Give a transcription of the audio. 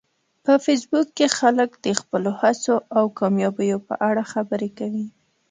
په فېسبوک کې خلک د خپلو هڅو او کامیابیو په اړه خبرې کوي